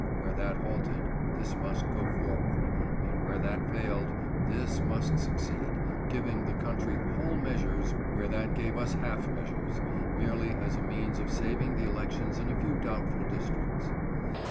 Where that halted, this must go forward, and where that failed, this must succeed, giving the country whole measures where that gave us half measures, merely as a means of saving the elections in a few doubtful districts.